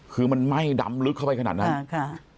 คือมันไหม้ดำลึกเข้าไปขนาดนั้น